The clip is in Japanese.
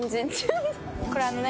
これあのね